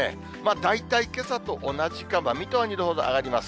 大体けさと同じか、水戸は２度ほど上がります。